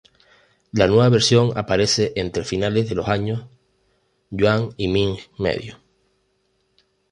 La nueva versión aparece entre finales de los años Yuan y Ming medio.